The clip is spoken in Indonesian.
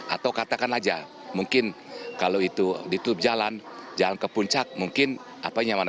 atau katakan saja mungkin kalau itu ditutup jalan jalan ke puncak mungkin apa yang mana